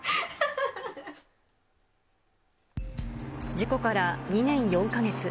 事故から２年４か月。